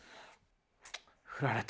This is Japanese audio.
振られた。